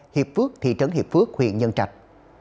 hiệp phước thị trấn hiệp phước huyện nhân trạch